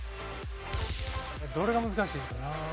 どれが難しいんかな？